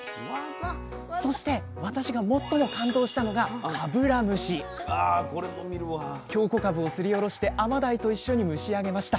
そして私が最も感動したのが京こかぶをすりおろして甘鯛と一緒に蒸し上げました。